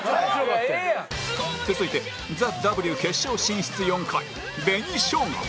続いて ＴＨＥＷ 決勝進出４回紅しょうが